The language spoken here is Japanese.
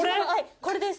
これです。